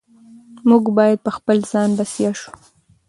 موږ باید په خپل ځان بسیا شو.